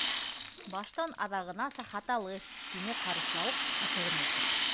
—Баштан аҙағынаса хаталы, —тине Ҡарышлауыҡ ҡаты ғына итеп.